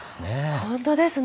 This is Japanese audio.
本当ですね。